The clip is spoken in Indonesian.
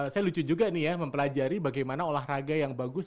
saya lucu juga nih ya mempelajari bagaimana olahraga yang bagus